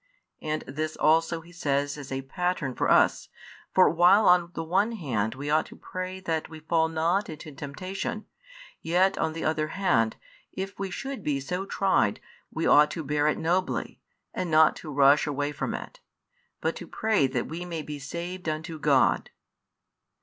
And this also He says as a Pattern for us: for while on the one hand we ought to pray that we fall not into temptation, yet on the other hand if we should be so tried we ought to bear it nobly and not to rush away from it, but to pray that we may be saved |154 unto God.